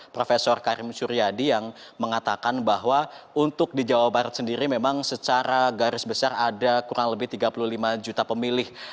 prof karim suryadi yang mengatakan bahwa untuk di jawa barat sendiri memang secara garis besar ada kurang lebih tiga puluh lima juta pemilih